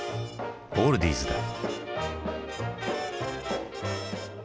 オールディーズだ。